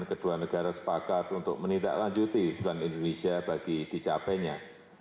kedua negara sepakat untuk menindaklanjuti usulan indonesia bagi dicapainya